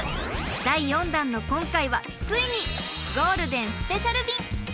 第４弾の今回はついにゴールデンスペシャル便！